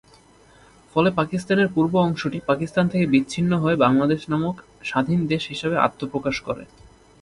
ফলে পাকিস্তানের পূর্ব অংশটি পাকিস্তান থেকে বিচ্ছিন্ন হয়ে বাংলাদেশ নামক স্বাধীন দেশ হিসেবে আত্মপ্রকাশ করে।